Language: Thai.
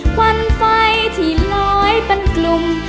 ควันไฟที่ลอยเป็นกลุ่ม